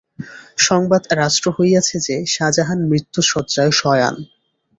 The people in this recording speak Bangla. সংবাদ রাষ্ট্র হইয়াছে যে, শাজাহান মৃত্যুশয্যায় শয়ান।